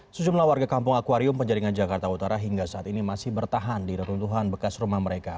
sejumlah warga kampung akwarium penjaringan jakarta utara hingga saat ini masih bertahan di reruntuhan bekas rumah mereka